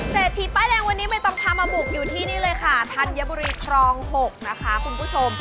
เศรษฐีป้ายแดงวันนี้ไม่ต้องพามาบุกอยู่ที่นี่เลยค่ะธัญบุรีครอง๖นะคะคุณผู้ชม